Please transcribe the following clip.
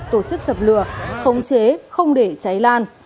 tổ chức dập lửa khống chế không để cháy lan